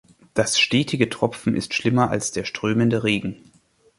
Das stetige Tropfen ist schlimmer als der strömende Regen.